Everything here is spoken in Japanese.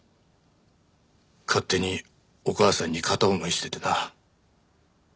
勝手にお母さんに片思いしててな。